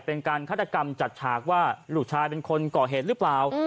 เป็นการฆาตกรรมจัดฉากว่าลูกชายเป็นคนก่อเหตุหรือเปล่า